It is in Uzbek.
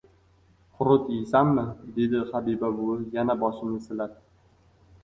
— Qurut yeysanmi? — dedi Habiba buvi yana boshimni silab.